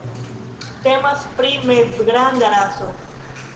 Temas pri mezgranda raso.